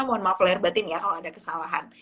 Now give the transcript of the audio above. mohon maaf lahir batin ya kalau ada kesalahan